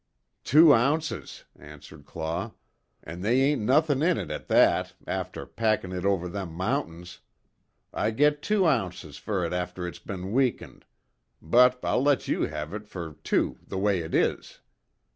"Two ounces," answered Claw, "An' they ain't nothin' in it at that, after packin' it over them mountains. I git two ounces fer it after it's be'n weakened but I'll let you have it, fer two the way it is."